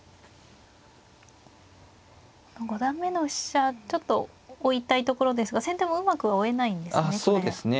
五段目の飛車ちょっと追いたいところですが先手もうまくは追えないんですね。